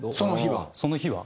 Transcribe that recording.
その日は？